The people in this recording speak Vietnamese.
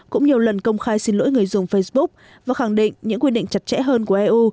cũng nhiều lần công khai xin lỗi người dùng facebook và khẳng định những quy định chặt chẽ hơn của eu